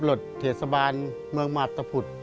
หลดเถียดสบานเมืองมาตรภุษย์